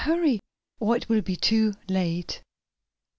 Hurry, or it will be too late!"